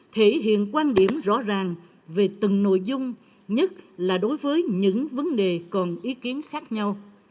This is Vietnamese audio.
thể hiện quan điểm rõ ràng về từng nội dung nhất là đối với những vấn đề còn ý kiến khác nhau